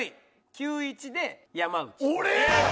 ９：１で山内。